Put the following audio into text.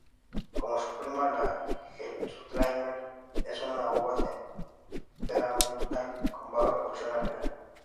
Como su prima la gewürztraminer, es una uva temperamental, con baja producción al final.